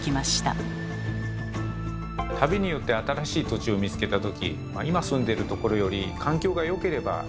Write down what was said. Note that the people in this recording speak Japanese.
旅によって新しい土地を見つけた時今住んでるところより環境が良ければ移住する。